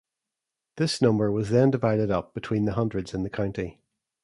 This number was then divided up between the hundreds in the county.